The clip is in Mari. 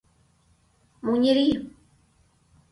Муньыри!..